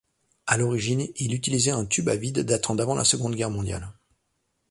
À l'origine, il utilisait un tube à vide datant d'avant la Seconde Guerre mondiale.